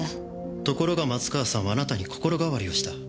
ところが松川さんはあなたに心変わりをした。